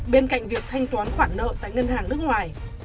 bên cạnh việc thanh toán khoản nợ tại ngân hàng nước ngoài